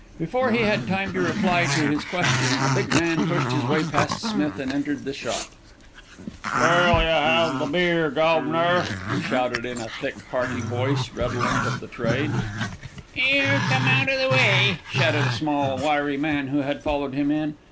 Before he had time to reply to his question, a big man pushed his way past Smith and entered the shop. "Where'll yer 'ave the beer, guv'nor?" he shouted in a thick, hearty voice redolent of the Trade. "'Ere, come out of the way," shouted a small wiry man who had followed him in.